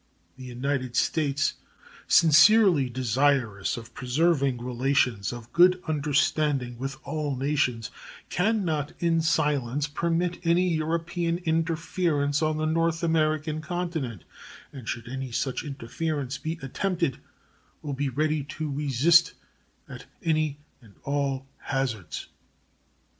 The United States, sincerely desirous of preserving relations of good understanding with all nations, can not in silence permit any European interference on the North American continent, and should any such interference be attempted will be ready to resist it at any and all hazards.